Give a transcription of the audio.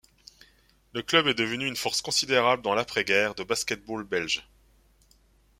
Le club est devenu une force considérable dans l'après-guerre, de basket-ball belge.